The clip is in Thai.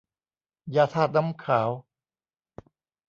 ยาธาตุน้ำขาว